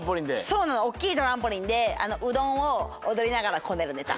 そうなのおっきいトランポリンでうどんをおどりながらこねるネタ。